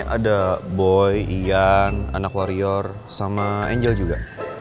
ada boy ian anak warrior sama angel juga